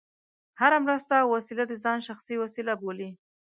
هره مرسته او وسیله د ځان شخصي وسیله بولي.